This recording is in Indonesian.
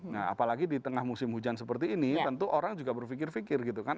nah apalagi di tengah musim hujan seperti ini tentu orang juga berpikir pikir gitu kan